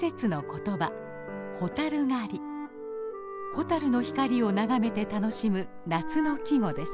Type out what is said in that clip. ホタルの光を眺めて楽しむ夏の季語です。